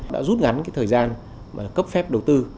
đã rút ngắn cái thời gian cấp phép đầu tư